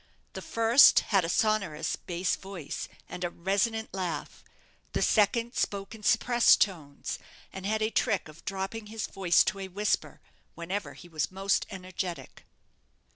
The first had a sonorous bass voice and a resonant laugh; the second spoke in suppressed tones, and had a trick of dropping his voice to a whisper whenever he was most energetic.